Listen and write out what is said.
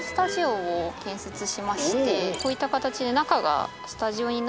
こういった形で。